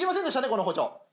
この包丁。